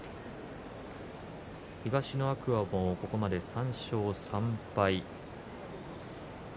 東の天空海もここまで３勝３敗。